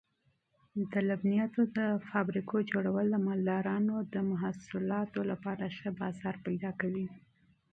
د لبنیاتو د فابریکو جوړول د مالدارانو د محصولاتو لپاره ښه بازار پیدا کوي.